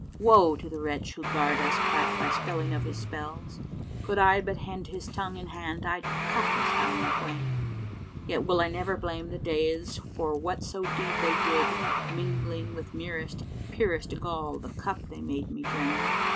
Woe to the wretch who garred us part by spelling of his spells;[FN#559] * Could I but hend his tongue in hand I'd cut his tongue in twain: Yet will I never blame the days for whatso deed they did * Mingling with merest, purest gall the cup they made me drain!